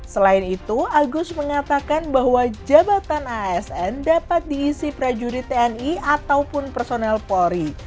selain itu agus mengatakan bahwa jabatan asn dapat diisi prajurit tni ataupun personel polri